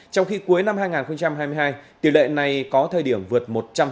trong khi cuối năm hai nghìn hai mươi hai tỷ lệ này có thời điểm vượt một trăm linh